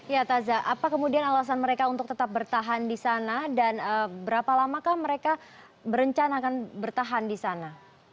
ya taza apa kemudian alasan mereka untuk tetap bertahan di sana dan berapa lamakah mereka berencana akan bertahan di sana